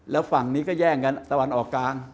แล้วฝั่งนี้ก็แย่งกันตะวันออกกลาง